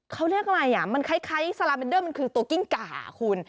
เขาเรียกอะไรอ่ะมันคล้ายซาลาเมนเดอร์มันคือตัวกิ้งก่าคุณ